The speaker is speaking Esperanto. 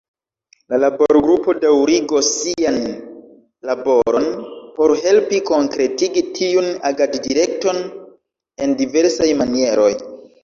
La laborgrupo daŭrigos sian laboron por helpi konkretigi tiun agaddirekton en diversaj manieroj.